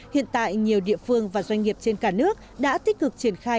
hiện tại nhiều địa phương và doanh nghiệp trên cả nước đã tích cực triển khai